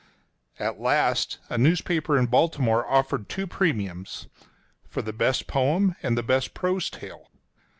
At last a newspaper in Baltimore offered two premiums — for the best poem and the best prose tale.